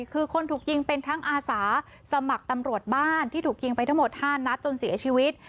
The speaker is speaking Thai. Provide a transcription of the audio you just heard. คือคนถูกยิงเป็นทั้งอาสาสมัครตำรวจบ้านที่ถูกยิงไปทั้งหมด๕นัดจนเสียชีวิต